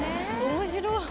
面白い。